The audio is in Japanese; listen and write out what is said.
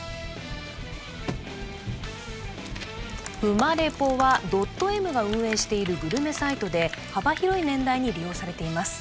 ウマレポはドットＭが運営しているグルメサイトで幅広い年代に利用されています